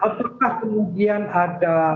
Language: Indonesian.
apakah kemudian ada